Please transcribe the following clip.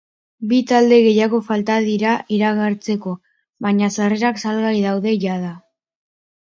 Bi talde gehiago falta dira iragartzeko, baina sarrerak salgai daude jada.